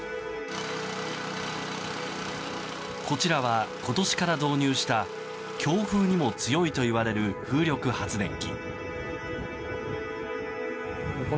こちらは、今年から導入した強風にも強いといわれる風力発電機。